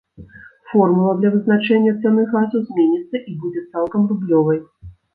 Формула для вызначэння цаны газу зменіцца і будзе цалкам рублёвай.